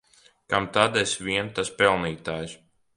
Kam tad es vien tas pelnītājs!